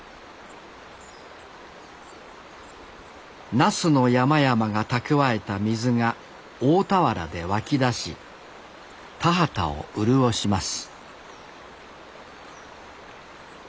那須の山々が蓄えた水が大田原で湧き出し田畑を潤します